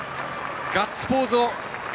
ガッツポーズ！